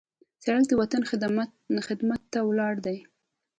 سړک د وطن خدمت ته ولاړ دی.